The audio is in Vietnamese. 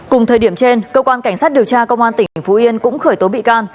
cùng thời điểm trên cơ quan cảnh sát điều tra công an tỉnh phú yên cũng khởi tố bị can